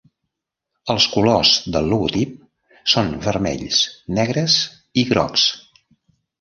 Els colors del logotip són vermells, negres i grocs.